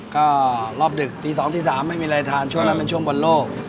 ก็รอบดึกตี๒ตี๓ไม่มีอะไรทานช่วงนั้นเป็นช่วงบอลโลก